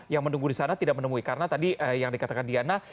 yang menunggu di sana tidak menemui karena tadi yang dikatakan diana